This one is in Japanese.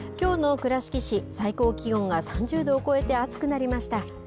きょうの倉敷市、最高気温が３０度を超えて、暑くなりました。